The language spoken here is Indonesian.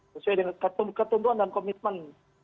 sesuai dengan ketentuan dan komitmen